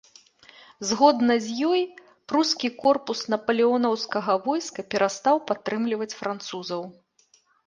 Згодна з ёй прускі корпус напалеонаўскага войска перастаў падтрымліваць французаў.